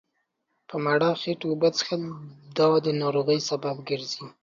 په لمړه هيټه اوبه څښل دا ناروغۍ سبب ګرځي